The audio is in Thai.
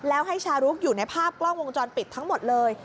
แล้วให้ชารุกอยู่ในภาพกล้องวงจรปิดทั้งหมดเลย